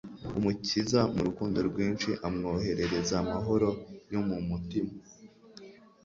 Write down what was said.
Umukiza mu rukundo rwinshi amwoherereza amahoro yo mu mutima.